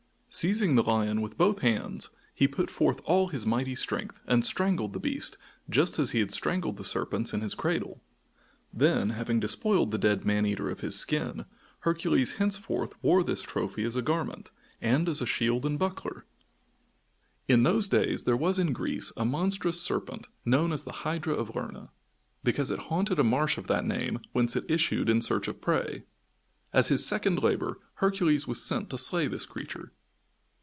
Seizing the lion with both hands, he put forth all his mighty strength and strangled the beast just as he had strangled the serpents in his cradle. Then, having despoiled the dead man eater of his skin, Hercules henceforth wore this trophy as a garment, and as a shield and buckler. In those days, there was in Greece a monstrous serpent known as the Hydra of Lerna, because it haunted a marsh of that name whence it issued in search of prey. As his second labor, Hercules was sent to slay this creature.